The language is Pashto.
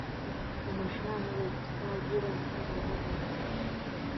خو مشرانو ويل چې ستا ږيره سمه نه ده راغلې.